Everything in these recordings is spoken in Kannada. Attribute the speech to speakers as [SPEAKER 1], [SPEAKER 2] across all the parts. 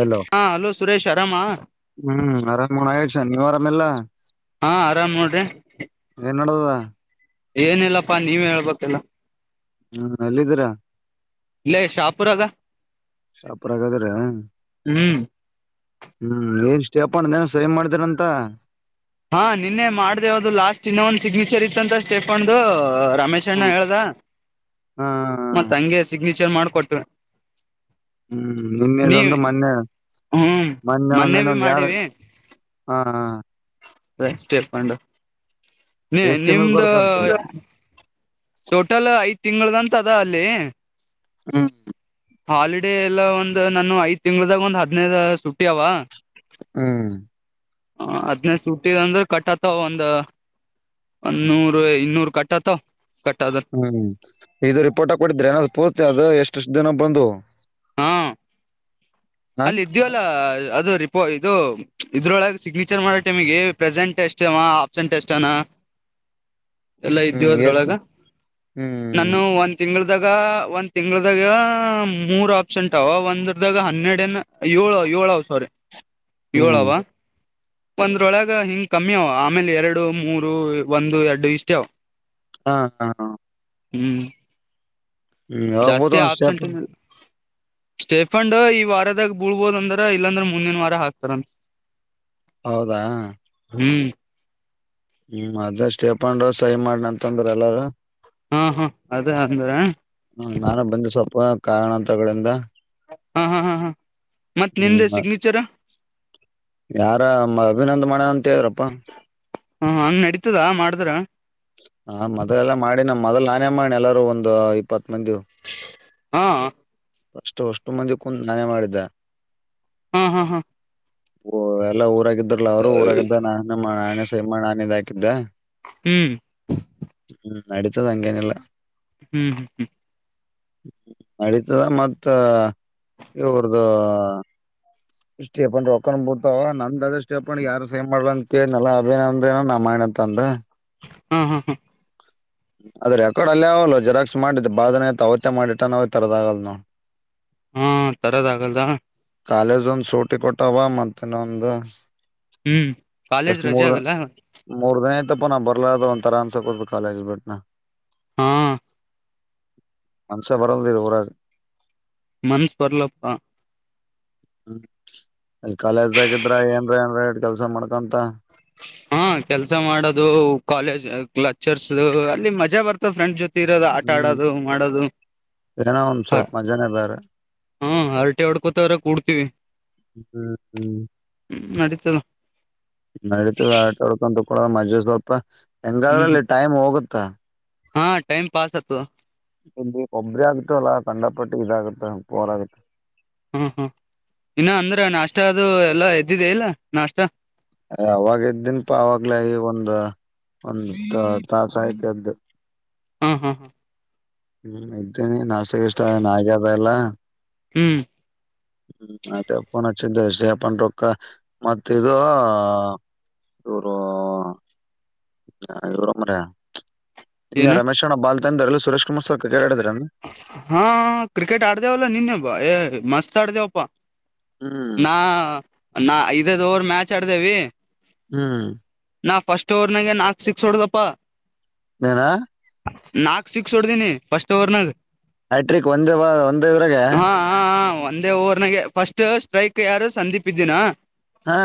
[SPEAKER 1] ಅಲೋ
[SPEAKER 2] ಹಾ ಹಲೋ ಸುರೇಶ್ ಆರಾಮ
[SPEAKER 1] ಹ್ಮ್ ಅರ ಆಯಷ ನೀವ್ ಆರಾಮಲ್ಲ.
[SPEAKER 2] ಹಾ ಆರಾಮ್ ನೋಡ್ರಿ
[SPEAKER 1] ನ್ನಡದದಾ.
[SPEAKER 2] ಏನಿಲ್ಲಪ್ಪಾ ನೀವ ಹೇಳ್ಬೇಕಿಲ್ಲ.
[SPEAKER 1] ಹ್ಮ್ ಎಲ್ಲಿದ್ದೀರಾ.
[SPEAKER 2] ಇಲ್ಲ ಶಾಪುರಾಗ.
[SPEAKER 1] ಸಾಪುರ ಇದಿರ
[SPEAKER 2] ಹ್ಮ್
[SPEAKER 1] ಹ್ಮ್ ಏನ್. ತಿಪ್ಪಣೇನು ಸರಿಮ್ ಮಾಡ್ತೀರ ಅಂತ.
[SPEAKER 2] ಹಾ ನಿನ್ನೆ ಮಾಡ್ದೆವದು ಲಾಸ್ಟ್ ಇನ್ನೊ ಒಂದು ಸಿಗ್ನೇಚರ್ ಇತ್ತಂತ ಸ್ಟೇಫಂಡ್ದ. ರಮೇಶ್ ಅಣ್ಣ
[SPEAKER 1] ಹಾ
[SPEAKER 2] ಹೇಳ್ದ ಮತ್ತ ಹಂಗೆ ಸಿಗ್ನೇಚರ್ ಮಾಡಕೊಟ್ಟ.
[SPEAKER 1] ಹ್ಮ್ ನಿನ್ನೆದುದು ಮೊನ್ನೆ.
[SPEAKER 2] ಹ್ಮ್
[SPEAKER 1] ಮನ್ನ
[SPEAKER 2] ಮೊನ್ನೆ
[SPEAKER 1] ಒಂದ
[SPEAKER 2] ಬಿ
[SPEAKER 1] ಇನೊಂದಗೆ ಯಾರ
[SPEAKER 2] ಮಾಡಿವಿ
[SPEAKER 1] ಹಾ.
[SPEAKER 2] ರೇಳ್ಕೊಂಡು ನೀ
[SPEAKER 1] ಎಷ್ಟ್ ತಿಂಗಳು
[SPEAKER 2] ನಿಮ್ದ.
[SPEAKER 1] ಬರ್ತಂತ
[SPEAKER 2] ಟೋಟಲ್ ಐದ್ ತಿಂಗಗಳದಂತ ಅದ ಅಲ್ಲಿ.
[SPEAKER 1] ಹ್ಮ್
[SPEAKER 2] ಹಾಲಿಡೇ ಎಲ್ಲ ಒಂದು ನಾನು ಐದ್ ತಿಂಗ್ಳದಾಗ ಒಂದು ಹದ್ನೈದ ಸುಧೀ ಅವ.
[SPEAKER 1] ಹ್ಮ್
[SPEAKER 2] ಹ ಅದ್ನೆ ಸೂಟಿ ಅದ ಅಂದರ್. ಕಟ್ ಆತವ್ ಒಂದ ಒನ್ನೂರು ಇನ್ನೂರು ಕಟ್ಟತ್ತವ.
[SPEAKER 1] ಹ್ಮ್ ಇದು ರಿಪೋರ್ಟ್ ಕೊಟ್ಟಿದ್ರ ಏನಾದ್ ಪೂರ್ತಿ ಅದು ಎಷ್ಟಷ್ಟು ದಿನ ಬಂದು.
[SPEAKER 2] ಹಾ
[SPEAKER 1] ಹ
[SPEAKER 2] ಅಲ್ ಇದ್ದಿವಲ ಅಲ್ ಇದು ರಿಪೋ ಇದು ಇದ್ರೊಳಗ ಸಿಗ್ನೇಚರ್ ಮಾಡ ಟೈಮಿಗಿ ಪ್ರೆಸೆಂಟ್ ಎಷ್ಟೇ ಆಪ್ಸೆಂಟ್ ಎಷ್ಟನಾ.
[SPEAKER 1] [inaudible]
[SPEAKER 2] ಎಲ್ಲಾ ಇದ್ದೀವ
[SPEAKER 1] ಎಸ್
[SPEAKER 2] ಅದ್ರೊಳಗ
[SPEAKER 1] ಹ್ಮ್
[SPEAKER 2] ನನ್ನು ಒಂದ್ ತಿಂಗಳ ಗ ಒಂದ್ ತಿಂಗಳದಾಗ ಮೂರ್ ಆಪ್ಷಂಟ್ ಅವ ಒಂದ್ರದಾಗ ಹನ್ನೆರಡನ. ಏಳವ ಎಳವ ಸ್ವಾರಿ
[SPEAKER 1] ಹ್ಮ್
[SPEAKER 2] ಏಳವ. ಒಂದ್ರೊಳಗ ಹಿಂಗ್ ಕಮ್ಮಿ ಅವ ಆಮೇಲ ಎರಡು ಮೂರು ಒಂದು ಎಡ್ಡು ಇಷ್ಟೇ ಅವ.
[SPEAKER 1] ಹಾ ಹಾ
[SPEAKER 2] ಹ್ಮ್
[SPEAKER 1] ಹ್ಮ್ ಯಾವಾಗ ಬೋದು
[SPEAKER 2] ಜಾಸ್ತಿ
[SPEAKER 1] ಒಂದ್ ಸ್ಟೇಪ್
[SPEAKER 2] ಆಪ್ಸೆಂಟ್ ಇಲ್. ಸ್ಟೇಫಂಡ್ ಈ ವಾರದಾಗ ಬೀಳ್ಬೋದ ಅಂದರ ಇಲ್ಲಾಂದ್ರ ಮುಂದಿನ ವಾರ ಹಾಕ್ತಾರ ಅಂತ.
[SPEAKER 1] ಹೌದಾ
[SPEAKER 2] ಹ್ಮ್
[SPEAKER 1] ಹ್ಮ್ ಅದ ಸ್ಟೇಫಂಡ ಸೈ ಮಾಡನ ಅಂತಂದ್ರ ಎಲ್ಲಾರೂ.
[SPEAKER 2] ಹಾ ಹಾ ಅದ ಅಂದ್ರ
[SPEAKER 1] ಹ್ಮ ನಾನು ಬಂದೆ ಸ್ವಲ್ಪ ಕಾರಣಾಂತರಗಳಿಂದ.
[SPEAKER 2] ಹಾ ಹಾ ಹಾ ಹಾ ಮತ್
[SPEAKER 1] ಹ್ಮ್
[SPEAKER 2] ನಿಂದೆ
[SPEAKER 1] ಮತ್
[SPEAKER 2] ಸಿಗ್ನೇಚರ್
[SPEAKER 1] ಯಾರಾ ಮ ಅಭಿನಂದ ಮಾಡಣಂತ ಹೇಳ್ರ
[SPEAKER 2] ಹ ಹಂಗ್ ನಡೀತದ ಮಾಡದ್ರ.
[SPEAKER 1] ಹ ಮೊದಲೆಲ್ಲಾ ಮಾಡಿನ ಮೊದಲ್ ನಾನೇ ಮಾಡಿ ಎಲ್ಲಾರೂ ಒಂದ ಇಪ್ಪತ್ ಮಂದಿ.
[SPEAKER 2] ಹಾ
[SPEAKER 1] ಅಷ್ಟು ಅಷ್ಟು ಮಂದಿ ಕುಂದ ನಾನೇ ಮಾಡಿದ್ದೆ.
[SPEAKER 2] ಹ್ಮ್ ಹ್ಮ್ ಹ್ಮ್
[SPEAKER 1] ಓ ಎಲ್ಲ ಊರಾಗಿದ್ರಲ್ಲ ಅವ್ರು ಊರಾಗಿದ್ದ ನಾನ ಮಾ ನಾನೆ ಸೈ ಮಾಡ್ ನಾನೆ ಇದ ಹಾಕಿದ್ದ.
[SPEAKER 2] ಹ್ಮ್
[SPEAKER 1] ನಡೀತದ ಹಂಗೇನಿಲ್ಲ.
[SPEAKER 2] ಹ್ಮ್ ಹ್ಮ್
[SPEAKER 1] ನಡೀತದ ಮತ್ತ ಇವ್ರ್ದು ಸ್ಟಿಪೆಂಡ್ ರೊಕ್ಕನು ಬಿಳತಾವ್ ನಂದ ಅದಿಷ್ಟ. ಸ್ಟೆಪಾಂಡಗ ಯಾರು ಸೈ ಮಾಡಲ್ ಅಂತ ಹೇಳಿದ್ನಲ ಅಭಿನಂದನ ನಾ ಮಾಡಿನಿ ಅಂತ ಅಂದಾ.
[SPEAKER 2] ಹ್ಮ್ ಹ್ಮ್ ಹ್ಮ್
[SPEAKER 1] [inaudible] ಅದರ್ ರೆಕಾರ್ಡ್ ಅಲ್ಲೆ ಅವಲ್ಲೊ ಜೆರಾಕ್ಸ್ ಮಾಡಿದ್ದ ಬಾಳ ದಿನ ಐತ್ ಅವತ್ತೆ ಮಾಡಿಟ್ಟನ ಹೋಗ್ ತರದ ಆಗಲ್ಲದ ನೋಡ್.
[SPEAKER 2] ಹ್ಮ ತರದ ಆಗಲ್ದ.
[SPEAKER 1] ಕಾಲೇಜ್ ಒಂದ್ ಸೂಟಿ ಕೊಟ್ಟವ ಮತ್ತ ಹಿನೋಂದ.
[SPEAKER 2] ಹ್ಮ್ ಕಾಲೇಜ್
[SPEAKER 1] ಎಷ್ಟ್
[SPEAKER 2] ರಜೆ
[SPEAKER 1] ಮೂರ್ ದ
[SPEAKER 2] ಆಗಲ್ಲ
[SPEAKER 1] ಮೂರ್ ದಿನ ಆಯಿತಪ್ಪ ನಾ ಬರ್ಲಾರ್ದ ಒಂಥರ ಅನ್ಸಕತದ ಕಾಲೇಜ್ ಬಿಟ್ನಾ.
[SPEAKER 2] ಹಾ
[SPEAKER 1] ಮನಸ್ಯ್ ಬರಲ್ದ ಈ ಉರಾಗ್.
[SPEAKER 2] ಮನ್ಸ್ ಬರ್ಲಪ್ಪಾ.
[SPEAKER 1] ಹ್ಮ್ ಅಲ್ಲಿ ಕಾಲೇಜ್ದಾಗಿದ್ರ ಏನ್ರೆ ಏನ್ರೆ ಇಟ್ ಕೆಲ್ಸ ಮಾಡ್ಕೊಂತ.
[SPEAKER 2] ಹಾ ಕೆಲ್ಸ ಮಾಡೋದು ಕಾಲೇಜ್ ಕ್ಲಚರ್ಸ್ ಅಲ್ಲಿ ಮಜಾ ಬರ್ತದ. ಫ್ರೆಂಡ್ ಜೊತಿ ಇರೋದು ಆಟ
[SPEAKER 1] ಹ್ಮ್
[SPEAKER 2] ಆಡೋದು ಮಾಡೋದು.
[SPEAKER 1] ಏನೋ ಒಂದ್
[SPEAKER 2] ಹ
[SPEAKER 1] ಸ್ವಲ್ಪ ಮಜಾನೇ ಬೇರೆ
[SPEAKER 2] ಹ್ಮ ಹರಟೆ ಹೊಡ್ಕೊತರ ಕೂಡ್ತೀವಿ.
[SPEAKER 1] ಹ್ಮ್ ಹ್ಮ್
[SPEAKER 2] ಹ್ಮ್ ನಡೀತದ
[SPEAKER 1] ನಡಿ
[SPEAKER 2] ಹ್ಮ್
[SPEAKER 1] [unintelligible]
[SPEAKER 2] ಹಾ ಟೈಮ್ ಪಾಸ್ ಆತದ.
[SPEAKER 1] ಇಲ್ಲಿ ಒಬ್ಬರೆ ಆಗ್ತಿವಲ್ಲ ಕಂಡಪಟ್ಟಿ ಇದಾಗುತ್ತ ಬೋರ್ ಆಗುತ್ತ.
[SPEAKER 2] ಹ್ಮ್ ಹ್ಮ್ ಇನ್ನ ಅಂದ್ರೆ ನಾಷ್ಟ ಅದು ಎಲ್ಲ ಎದ್ದಿದೆ ಇಲ್ಲ ನಾಷ್ಟ,
[SPEAKER 1] ಅವಾಗ ಇದ್ದನ್ ಪಾ ಅವಾಗ್ಲ ಈಗ ಒಂದು, ಒಂದ ತಾಸ ಆಯತ ಎದ್ದು.
[SPEAKER 2] ಹ್ಮ್ ಹ್ಮ್ ಹ್ಮ.
[SPEAKER 1] ಹ್ಮ್ ಇದ್ದೇನಿ ನಾಷ್ಟ ಇಷ್ಟನ್ ಆ ನಾ ಆಗ್ಯದ ಎಲ್ಲಾ.
[SPEAKER 2] ಹ್ಮ್.
[SPEAKER 1] ಹ್ಮ್ ಮತ್ತೆ ಫೋನ್ ಹಚ್ಚಿದ್ದ ಸ ಅಪನರೊಕ್ಕ ಮತ್ತ ಇದು ಇವ್ರು. ಇವ್ರೋ ಮಾರಾಯ
[SPEAKER 2] ಏನ
[SPEAKER 1] ಇಂಜಿನಿಯರ್ ರಮೇಶ್ವಣ್ಣ ಬಾಲ್ತಂದ ಎಲ್ರೂ ಸುರೇಶ್ ಕುಮಾರ್ ಸರ್ ಕ್ರಿಕೆಟ್ ಆಡಿ
[SPEAKER 2] ಹಾ ಕ್ರಿಕೆಟ್ ಆಡ್ದೇವಲ್ಲಾ ನಿನ್ನೆ ಬ ಏ ಮಸ್ತ್ ಆಡ್ದೇವಪ್ಪಾ.
[SPEAKER 1] ಹ್ಮ್
[SPEAKER 2] ನಾ ನಾ ಐದದೋರ್ ಮ್ಯಾಚ್ ಆಡ್ದೇವಿ.
[SPEAKER 1] ಹ್ಮ್.
[SPEAKER 2] ನಾ ಫಸ್ಟ್ ಓವರ್ ನಾಗ ನಾಕ್ ಸಿಕ್ಸ್ ಹೊಡ್ದಪ್ಪಾ.
[SPEAKER 1] ಏನಾ.
[SPEAKER 2] ನಾಕ್ ಸಿಕ್ಸ್ ಹೊಡ್ದಿನಿ ಫಸ್ಟ್ ಓವರ್ನಗ.
[SPEAKER 1] ಹೈಟ್ರಿಕ್ ಒಂದೇ ವ ಒಂದ ಇದ್ರಾಗ.
[SPEAKER 2] ಹಾ ಹಾ ಒಂದೇ ಓವರ್ ನಗೆ ಫಸ್ಟ್ ಸ್ಟ್ರೈಕ್ ಯಾರು ಸಂದೀಪ್ದ್ದಿನ
[SPEAKER 1] ಹಾ,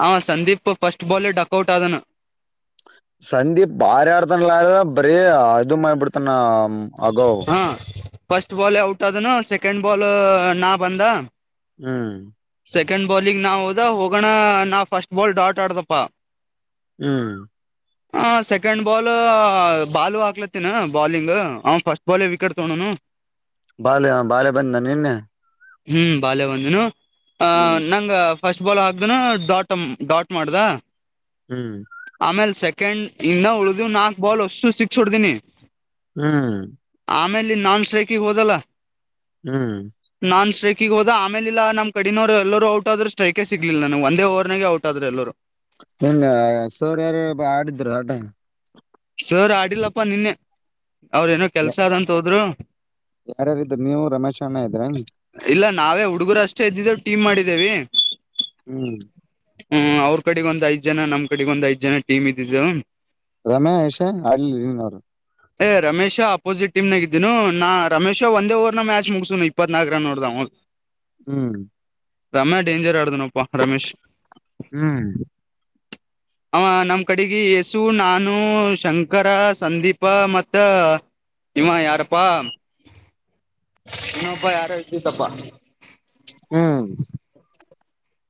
[SPEAKER 2] ಹ ಸಂದೀಪ್ ಫಸ್ಟ್ ಬಾಲ್ ಡಕ್ಔಟ್ ಆದನು.
[SPEAKER 1] ಸಂದೀಪ್ ಬಾರಿ ಆಡ್ತನ್ ಆಡ ಬರೀ ಅದು ಮಾಡ್ ಬಿಡ್ತಾನ. ಹ್ಮ ಅಗೌ,
[SPEAKER 2] ಹಾ ಫಸ್ಟ್ ಬಾಲ್ ಔಟ್ ಆದನು. ಸೆಕೆಂಡ್ ಬಾಲ್ ನಾ ಬಂದ.
[SPEAKER 1] ಹ್ಮ್.
[SPEAKER 2] ಸೆಕೆಂಡ್ ಬಾಲಂಗಿ ನಾವ ಹೋದ ಹೋಗೋಣ ನಾ ಫಸ್ಟ್ ಬಾಲ್ ಡಾಟ್ ಆಡದಪ್ಪ.
[SPEAKER 1] ಹ್ಮ್.
[SPEAKER 2] ಹ ಸೆಕೆಂಡ್ ಬಾಲ್ ಬಾಲು ಹಾಕ್ಲತ್ತಿನ ಬಾಲಿಂಗ್. ಹ ಫಸ್ಟ್ ಬಾಲ್ಗಿ ವಿಕೆಟ್ ತೊಂಡುನು.
[SPEAKER 1] ಬಾಲ್ ಬಾಳೆ ಬಂದ ನಿನ್ನೆ.
[SPEAKER 2] ಹ್ಮ್ ಬಾಲ್ಯ ಒಂದನು ಆ
[SPEAKER 1] ಹ್ಮ್
[SPEAKER 2] ನಂಗ, ಫಸ್ಟ್ ಬಾಲ್ ಹಾಕ್ದನು ಡಾಟ್ ಡಾಟ್ ಮಾಡ್ದ
[SPEAKER 1] ಹ್ಮ್
[SPEAKER 2] ಆಮೇಲೆ ಸೆ ಕಂಡ್ ಇನ್ನ ಉಳ್ದವ್ ನಾಕ್ ಬಾಲ್ ಅಷ್ಟು ಸಿಕ್ ಹೊಡ್ದನಿ.
[SPEAKER 1] ಹ್ಮ್.
[SPEAKER 2] ಆಮೇಲೆ ನಾನ್ ಸ್ಟ್ರೈಕಿಗೆ ಹೋದಲ್ಲ.
[SPEAKER 1] ಹ್ಮ್.
[SPEAKER 2] ನಾನ್ ಸ್ಟ್ರೈಕಿಗೆ ಹೋದ ಅಮೇಲ ಇಲ್ಲ ನಮ್ಮ್ ಕಡಿನವರು ಎಲ್ಲರರು ಔಟ್ ಆದರು ಸ್ಟ್ರೈಕೇ ಸಿಗ್ಲಿಲ್ಲ ನವು ಒಂದ ಓವರ್ನಾಗ ಔಟ್ ಆದ್ರ ಎಲ್ಲರು.
[SPEAKER 1] ನಿಮ್ ಸರ್ ಯಾರ್ಯಾರ ಆಡಿದ್ರು ಆಟ.
[SPEAKER 2] ಸರ್ ಆಡಿಲ್ಲಪ್ಪಾ ನಿನ್ನೆ ಅವ್ರೇ ಏನೋ ಕೆಲ್ಸ ಅದಂತ ಹೋದ್ರು.
[SPEAKER 1] ಯಾರ್ಯಾರಿದ್ರು ನೀವು ರಮೇಶ್ ಅಣ್ಣ ಇದ್ರ
[SPEAKER 2] ಇಲ್ಲ ನಾವೇ ಹುಡುಗರು ಅಷ್ಟೇ ಇದ್ದಿದ್ದೇ ಟೀಮ್ ಮಾಡಿದ ದ್ದೇವಿ
[SPEAKER 1] ಹ್ಮ್.
[SPEAKER 2] ಹ್ಮ್ ಅವ್ರ ಕಡೆಗ ಒಂದ್ ಐದ್ ಜನ ನಮ್ ಕಡೆಗ ಒಂದ್ ಐದ್ ಜನ ಟೀಮ್ ಇದ್ದಿದ್ದೇವು.
[SPEAKER 1] ರಮೇಶ್ ಅಲ್ಲಿ ನೀನವ್ರು
[SPEAKER 2] ಏ ರಮೇಶ ಅಪೋಸಿಟ್ ಟೀಮ್ನಾಗಿದ್ದೀನು. ನಾ ರಮೇಶ್ ಒಂದೇ ಓರ್ ನ ಮ್ಯಾಚ್ ಮುಗಸು ಇಪ್ಪತ್ನಾಲ್ಕಕ್ ರನ್ ನೋಡ್ದ್.
[SPEAKER 1] ಹ್ಮ್.
[SPEAKER 2] ರಮ್ಯಾ ಡೇಂಜರಾ ಆಡದನಪ್ಪಾ ರಮೇಶ್.
[SPEAKER 1] ಹ್ಮ್
[SPEAKER 2] ಅವ ನಮ್ ಕಡೆಗಿ ಹೆಸೂ ನಾ ನು ಶಂಕರ ಸಂದೀಪ ಮತ್ತ. ಇವಾ ಯಾರಪ್ಪಾ ಇನ್ನ ಒಬ್ಬವ ಯಾರ್ ಇದ್ದಿದ್ಪಾ.
[SPEAKER 1] ಹ್ಮ್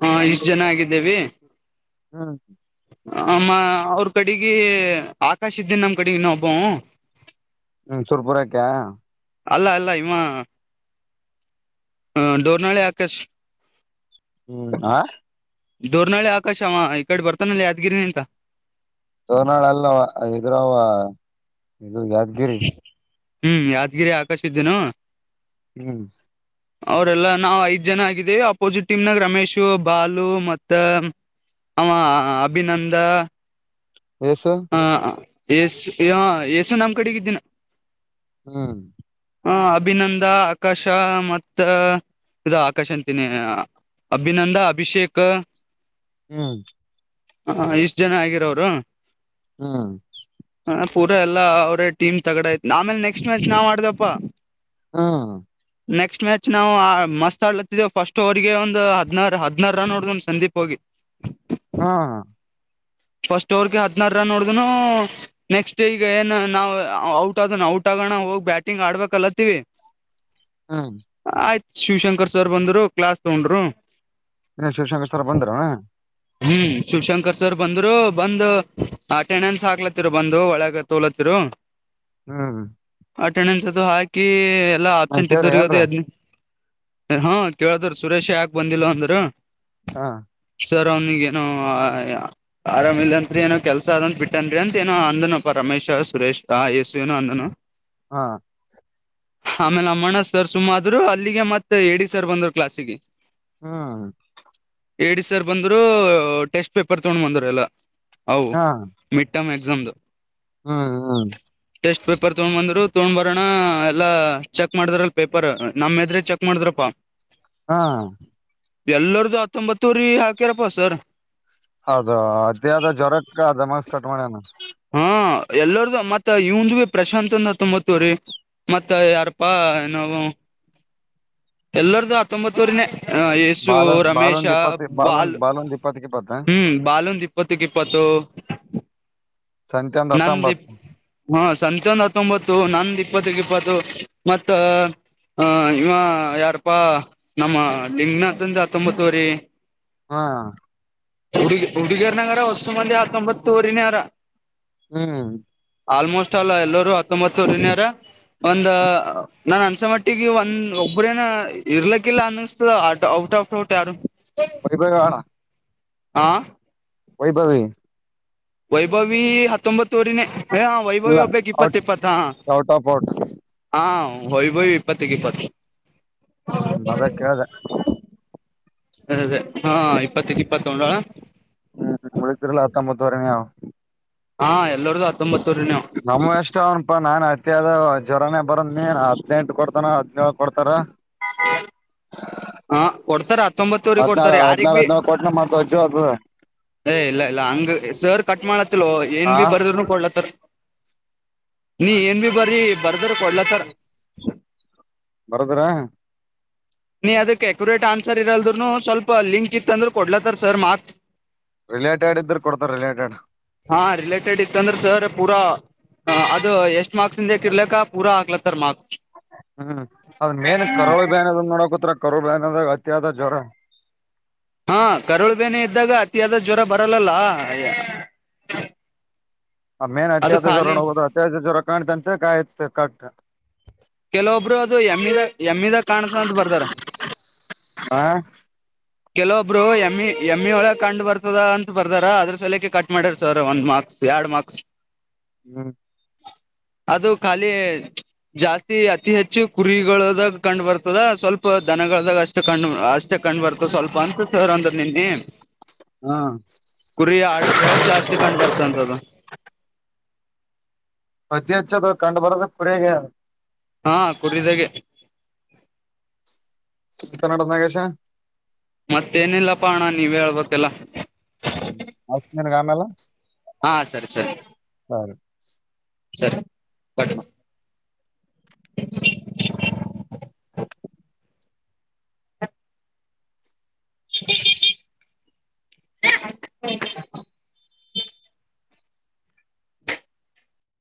[SPEAKER 2] ಹಾ ಇಷ್ಟು ಜನ ಆಗಿದ್ದೇವಿ.
[SPEAKER 1] ಹ್ಮ
[SPEAKER 2] ಅಮ್ಮ ಅವ್ರ ಕಡೆಗೆ ಆಕಾಶ ಇದ್ದೇನ್ ನಮ್ ಕಡೆಗ ಇ ಒಬ್ಬ.
[SPEAKER 1] ಹ್ಮ ಸುರ್ಪುರಕ್ಕ.
[SPEAKER 2] ಅಲ್ಲ ಅಲ್ಲ ಇಮ್ಮ ಹ ಡೋರ್ನಾಳಿ ಆಕಾಶ್.
[SPEAKER 1] ಹ್ಮ ಆ.
[SPEAKER 2] ದೂರ್ನಳ್ಳಿ ಆಕಾಶ ಅವ ಈ ಕಡೆ ಬರ್ತಾನಲ್ಲಿ ಯಾದ್ಗಿರಿ ಅಂತ.
[SPEAKER 1] ತೋನಾಳ ಅಲ್ಲ ಇದ್ರಾವ ಇದು ಯಾದ್ಗಿರಿ.
[SPEAKER 2] ಹ್ಮ್ ಯಾದ್ಗಿರಿ ಆಕಾಶ ಇದ್ದಿನು.
[SPEAKER 1] ಹ್ಮ.
[SPEAKER 2] ಅವ್ರಲ್ಲಾ ನಾವವು ಐದ್ ಜನ ಆಗಿದ್ದೇವಿ ಅಪೋಸಿಟ್ ಟೀಮ್ನಾಗ ರಮೇಶು ಬಾಲು ಮತ್ತ. ಆ ಅಭಿನಂದ.
[SPEAKER 1] ಎಸು.
[SPEAKER 2] ಏಸು ಯ ಏಸು ನಮ್ಮ್ ಕಡೆಗಿದ್ದೀನ.
[SPEAKER 1] ಹ್ಮ್
[SPEAKER 2] ಹ ಅಭಿನಂದ ಆಕಾಶ ಮತ್ತ. ಇದು ಆಕಾಶ ಅಂತೀನಿ ಅಭಿನಂದ ಅಭಿಷೇಕ್.
[SPEAKER 1] ಹ್ಮ
[SPEAKER 2] ಹ ಇಷ್ಟು ಜನ ಆಗಿರೋರು.
[SPEAKER 1] ಹ್ಮ್.
[SPEAKER 2] ಹ ಪೂರಾ ಎಲ್ಲಾ ಅವ್ರೇ ಟೀಮ್ ತಗಡ ಆಯತ್ ಆಮೇಲೆ ನೆಕ್ಸ್ಟ್ ಮ್ಯಾಚ್ ನಾವ್ ಮಾಡ್ದಪ್ಪಾ.
[SPEAKER 1] ಹಾ
[SPEAKER 2] ನೆಕ್ಸ್ಟ್ ಮ್ಯಾಚ್ ನಾವು ಮಸ್ತ್ ಆಡ್ಲತ್ತಿದ್ದೇವು ಫಸ್ಟ್ ಓಗೆ ಒಂದು ಹಧನರಾ ಹದ್ನಾರ ರನ್ ಹೊಡ್ದ್ ಸಂದೀಪ್ ಹೋಗಿ.
[SPEAKER 1] ಹಾ ಹ
[SPEAKER 2] ಫಸ್ಟ್ ಓವರ್ಗೆ ಹದಿನಾರ ರನ್ ನೋಡ್ದ ನೆಕ್ಸ್ಟ್ ಈಗ ಏ ನಾ ಔಟ್ ಆದ ಔಟ್. ಗಣ ಹೋಗಿ ಬ್ಯಾಟಿಂಗ್ ಆಡ್ಬೇಕ ಅಲತ್ತೀವಿ.
[SPEAKER 1] ಹ್ಮ್
[SPEAKER 2] ಆಯ್ತು ಶಿವಶಂಕರ್ ಸರ್ ಬಂದರು ಕ್ಲಾಸ್ ತಗೊಂಡರು.
[SPEAKER 1] ಇನ್ನ ಶಿವಶಂಕರ್ ಸರ್ ಬಂದಾರ.
[SPEAKER 2] ಹ್ಮ್ ಶಿವಶಂಕರ್ ಸರ್ ಬಂದ್ರು ಬಂದು ಆಟೆಣನ್ಸ್ ಹಾಕ್ಲತ್ತರು ಬಂದು ಒಳಗ ತೋಲತ್ತರು.
[SPEAKER 1] ಹ್ಮ್
[SPEAKER 2] ಅಟೆಂಡೆನ್ಸ್ ಅದು ಹಾಕಿ ಎಲ್ಲಾ
[SPEAKER 1] ಹ
[SPEAKER 2] ಆಬ್ಸೆಂಟ್
[SPEAKER 1] ಕೇಳ್ರಿ
[SPEAKER 2] ಇದ್ದ್ರಗದು
[SPEAKER 1] ಏನ್ರ
[SPEAKER 2] ಎದು ಹಾ ಕೇಳಿದ್ರ ಸುರೇಶ ಯಾಕೆ ಬಂದಿಲ್ಲ ಅಂದ್ರ.
[SPEAKER 1] ಹಾ
[SPEAKER 2] ಸರ್ ಅವನಿಗೇನು. ಆರಾಮ ಇಲ್ಂತ್ರಿ ಏನೋ ಕೆಲ್ಸ ಅದಂತ ಬಿಟ್ಟನ್ರಿ ಅಂತತ್ ಏನೋ ಅಂದನು ಪರಮೇಶ ಸುರೇಶ್ ಯೇಸು ಏನೋ ಅಂದನು.
[SPEAKER 1] ಹಾ
[SPEAKER 2] ಆಮೇಲೆ ಅಮ್ಮಣ್ಣ ಸರ್ ಸುಮ್ಮ ಆದ್ರು ಅಲ್ಲಿಗೆ ಮತ್ತತ್ ಎಡಿ ಸರ್ ಬಂದರು ಕ್ಲಾಸಿಗೆ
[SPEAKER 1] ಹಾ
[SPEAKER 2] ಎಡಿ ಸರ್ ಬಂದ್ರು ಟೆಸ್ಟ್ ಪೇಪರ್ ತಗೊಂಡ್ ಬಂದರು ಎಲ್ಲ. ಹೌ
[SPEAKER 1] ಹಾ
[SPEAKER 2] ಮಿಡ್ಟ್ ಎಕ್ಸಾಮ್.
[SPEAKER 1] ಹ್ಮ್ ಹಾ
[SPEAKER 2] ಪೇಪರ್ ತೊಗೊಂಡ್ ಬಂದ್ರು ತೊಗೊಂಡ್ ಬರೋಣ ಎಲ್ಲಾ ಚೆಕ್ ಮಾಡಿದ್ರ ಅಲ್ ಪೇಪರ್ ನಮ್ಮ್ ಹೆದ್ರೆ ಚೆಕ್ ಮಾಡಿದ್ರಪ್ಪಾ.
[SPEAKER 1] ಹಾ
[SPEAKER 2] ಎಲ್ಲರ್ದು ಹತ್ತೊಂಬತ್ತೂರಿ ಹಾಕ್ಯರಪ್ಪ ಸರ್.
[SPEAKER 1] ಹೌದು ಅದೇದ ಜ್ವರಕ್ಕ ದಮಸ್ ಕಟ್ ಮಾಡ್ಯನ.
[SPEAKER 2] ಹಾ ಎಲ್ಲಾರ್ದು ಮತ್ತ ಇವಂದು ಪ್ರಶಾಂತ ಅಂದ ತೊಂಬತ್ತವ್ರರಿ. ಮತ್ತ ಯಾರಪ್ಪಾ ಏ ನವು. ಎಲ್ಲರ್ದು ಹತ್ತೊಂಬತ್ತೂರನೇ. ಹ ಯಸು
[SPEAKER 1] ಬಾಲ
[SPEAKER 2] ರಮೇಶ
[SPEAKER 1] ಬಾಲೊಂದ್ ಇಪ್ಪತ್ ಬಾಲೊಂದ್
[SPEAKER 2] ಬಾಲ್
[SPEAKER 1] ಬಾಲೊಂದ್ ಇಪ್ಪತ್ತಕ್ ಇಪ್ಪತ್ತ
[SPEAKER 2] ಹ್ಮ್ ಬಾಲ್ ಒಂದ್ ಇಪ್ಪತ್ತ ಇಪ್ಪತ್ತು. ಹ [inaudible]
[SPEAKER 1] [unintelligible]
[SPEAKER 2] ನಂದಿಪ್
[SPEAKER 1] ಹತ್ತೊಂಬತ್ತು
[SPEAKER 2] ಹೂ ಸ ಇತ್ತೊಂದ ಹತ್ತೊಂಬತ್ತು ನಂದ ಇಪ್ಪತ್ತಕ್ಕೆ ಇಪ್ಪತ್ತು ಮತ್ತ ಹ ಇವ ಯಾರಪ್ಪಾ ನಮ್ಮ ಲಿಂಗನಾತಂದು ಅತೊಂಬತ್ತುವರಿ
[SPEAKER 1] ಹಾ
[SPEAKER 2] ಹುಡಿಗ ಹುಡುಗರ್ನಂಗರ ಹೊಸ ಮಲ್ಲಿ ಹಕೊಂಬತ್ತು ರಿನರ
[SPEAKER 1] ಹ್ಮ್
[SPEAKER 2] ಆಲ್ಮೋಸ್ಟ್ ಆಲ್ ಎಲ್ಲರು ಹತ್ತೊಂಬತ್ತರಾರ ಒಂದ ನಾನನ್ ಅನ್ಸ ಮಾಡಟ್ಟ. ಈಗ ಒಂದ ಒಬ್ಬ್ರೇನ ಇರ್ಲಕ್ಕಿಲ್ಲ ಅನ್ನಿಸತ ಔಟ್ ಆಫ್ ರಔಟ್ ಯಾರು.
[SPEAKER 1] ವೈಭವ ಅಣ
[SPEAKER 2] ಆ
[SPEAKER 1] ವೈಭವಿ
[SPEAKER 2] ವೈಭವಿ ಹತ್ತೊಂಬತ್ತೂರನೇ ಏ ವೈವಯ
[SPEAKER 1] ಇಲ್ಲ
[SPEAKER 2] ಒಗ್ಬೇಕು ಇಪ್ಪತ್ತು
[SPEAKER 1] ಔಟ್
[SPEAKER 2] ಇಪ್ಪತ್ತು ಹ
[SPEAKER 1] ಔಟ್ ಆಫ್ ಔಟ್
[SPEAKER 2] ಹಾ ಹಯ ಹಯ ಇಪ್ಪತ್ತಗೆ ಇಪ್ಪತ್ತು
[SPEAKER 1] ಹ್ಮ್ ಅದ ಕೇಳಿದೆ
[SPEAKER 2] ಅದೇ ಅದೇ ಹಾ ಇಪ್ಪತ್ತ ಇಪ್ಪತ್ತ ಒಡಳ
[SPEAKER 1] ಹ್ಮ್ ಉಳಿದ್ರಲ್ಲ [unintelligible]
[SPEAKER 2] ಹಾ ಎಲ್ಲರ್ದು ಹತ್ತೊಂಬತ್
[SPEAKER 1] ನಮ ಎಷ್ಟ ಅವನಪಾ ನಾನ್ ಆ ಮದ ಜ್ವರನೇ ಬರಂದ್ ನೀ ಹದಿನನೆಂಟು ಕೊಡ್ತಾರ ಹದಿನೇಳ ಕೊಡ್ತಾರ
[SPEAKER 2] ಹಾ ಕೊಡ್ತಾರ ಹತ್ತೊಂಬತ್ತೂ್ರಿಗೆ
[SPEAKER 1] ಹದ್ನಾರ
[SPEAKER 2] ಕೊಡ್ತಾರ ಯಾರಗ್
[SPEAKER 1] ಹದ್ನಾರ
[SPEAKER 2] ಬೀ.
[SPEAKER 1] ಹದ್ನೇಳು ಕೊಟ್ನ ಮತ್ ವಜ್ಜು ಆತದ
[SPEAKER 2] ಏ ಇಲ್ಲ ಇಲ್ಲ ಹಂಗ ಸರ್ ಕಟ್ ಮಾಡ್ಲತ್ತಲ್ ಏನ್
[SPEAKER 1] ಹಾ
[SPEAKER 2] ಬಿ ಬರ್ದ್ರನು ಕೊಡ್ಲತ್ತರ್ ನೀ ಏನ್ ಬಿ ಬರರಿ ಬರ್ದ್ರ ಕೊಡ್ಲತ್ತಾರ.
[SPEAKER 1] ಬರೋದ್ರ
[SPEAKER 2] ನೀ ಅದಕ್ ಅಕ್ಯುರೇಟ್ ಆನ್ಸರ್ ಇರಲ್ದನು ಸ್ವಲ್ಪ ಲಿಂಕ್ ಇತ್ತ ಅಂದ್ರರು ಕೊಡ್ಲತ್ತಾರ ಸ್ವಲ್ಪ ಮಾರ್ಕ್ಸ್.
[SPEAKER 1] ರಿಲೇಟೆಡ್ ಇದ್ರರು ಕೊಡ್ತಾರೆ ರಿಲೇಟೆಡ್
[SPEAKER 2] ಹಾ ರಿಲೇಟೆಡ್ ಇತ್ತಂದ್ರೆ ಸರ್ ಪೂರಾ ಹ ಅದು ಎಷ್ಟ್ ಮಾರ್ಕ್ಸ್ ಇಂದ ಇರ್ಲಕ್ಕ ಪೂರ ಆಗ್ಲತ್ತರ್ ಮಾರ್ಕ್ಸ್
[SPEAKER 1] ಹ್ಮ್ ಅದ ಮೇನ್ ಕರಾವ ಬಏನ ನೋಡಕತ್ರ ಕರುಬನದ ಅತ್ಯದ ಜ್ರ
[SPEAKER 2] ಹಾ ಕರುಳುಬೇನೆ ಇದ್ದಾಗ ಅತಿಯಾದ ಜ್ವರ ಬರಲ್ಲಲ್ಲಯ
[SPEAKER 1] ಆ ಮೇನ್ ಅತ್ಯಾಸ ಜ್ವರ ನ ಹೋುದು ಅತ್ಯ ಜ್ವರ ಕಾಣತ ಅಂತ ಕ ಆಯ್ತ್ ಕ
[SPEAKER 2] ಕೆಲವೊಬ್ರು ಅದು ಎಮ್ಮಿದ ಎಮ್ಮಿದಾಗ ಕಾಣಸ ಅಂತ ಬಾರ್ಧರ
[SPEAKER 1] ಹ
[SPEAKER 2] ಕೆಲೊಬ್ರು ಎಮ ಎಮ್ ಇ ಒಳಗೆ ಕಂಡ್ ಬರ್ತದ ಅಂತ ಬರ್ದಾರ ಅದ್ರ ಸಲಕೆ ಕಟ್ ಮಾಡ್ಯರ್ ಸರ್ ಒಂದ್ ಮಾರ್ಕ್ಸ್ ಎರಡ್ ಮಾರ್ಕ್ಸ್
[SPEAKER 1] ಹ್ಮ
[SPEAKER 2] ಅದು ಖಾಲಿ ಜಾಸ್ತಿ ಅತಿ ಹೆಚ್ಚು ಕುರಿಗಳದಾಗ ಕಂಡ್ ಬರ್ತದ ಸ್ವಲ್ಪ ದನಗಳದಾಗ ಅಷ್ಟೇ ಕಂಡ್ ಅಷ್ಟೇ ಕಂಡ್ ಬರ್ತದ ಸ್ವಲ್ಪ ಅಂತ ಸರ್ ಅಂದ್ರೆ ನಿನ್ನೆ
[SPEAKER 1] ಹ್ಮ್
[SPEAKER 2] ಕುರಿ ಆಡದ್ರೊಳಗ್ ಜಾಸ್ತಿ ಕಂಡ್ ಬರ್ತಂತದು
[SPEAKER 1] ಅತ್ತ ಅಚ್ಚ ಕಂಡು ಬರೋದ ಕುರಗ
[SPEAKER 2] ಹಾ ಕುರಿದಾಗ
[SPEAKER 1] ಇ ಕನಾಟನಾಗೇಶ
[SPEAKER 2] ಮತ್ತೇನಿಲ್ಲಪ್ಪಣ ನೀವ್ ಹೇಳ್ಬೇಕಲ್ಲ.
[SPEAKER 1] ಹಗಮ್ಯಲ್ಲ.
[SPEAKER 2] ಹಾ ಸರಿ ಸರಿ
[SPEAKER 1] ಹ [inaudible]
[SPEAKER 2] ಸರಿ ಬಟ್ಟ [inaudible] [unintelligible] ಹ